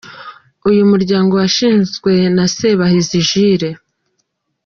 Uyu muryango washinzwe na Sebahizi Jules.